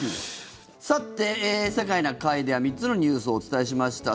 さて「世界な会」では３つのニュースをお伝えしました。